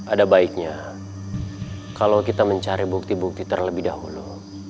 ada baiknya kalau kita mencari bukti bukti terlebih dahulu